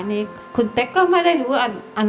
ทั้งในเรื่องของการทำงานเคยทำนานแล้วเกิดปัญหาน้อย